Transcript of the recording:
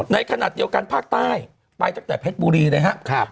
ในขณะเดียวกันภาคใต้ไปตั้งแต่เพชรบุรีนะครับ